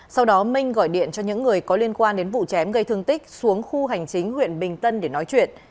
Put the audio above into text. sau đó minh gọi điện cho những người có liên quan đến vụ chém gây thương tích xuống khu hành chính huyện bình tân để nói chuyện